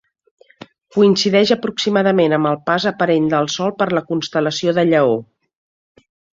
Coincideix aproximadament amb el pas aparent del Sol per la constel·lació de Lleó.